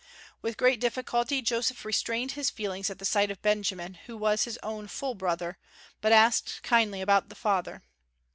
With great difficulty Joseph restrained his feelings at the sight of Benjamin, who was his own full brother, but asked kindly about the father.